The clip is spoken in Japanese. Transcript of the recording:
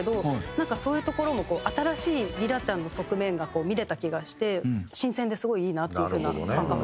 なんかそういうところもこう新しいりらちゃんの側面が見れた気がして新鮮ですごいいいなっていう風な感覚になりました。